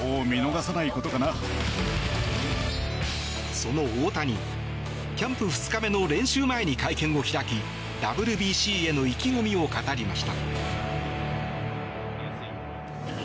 その大谷キャンプ２日目の練習前に会見を開きＷＢＣへの意気込みを語りました。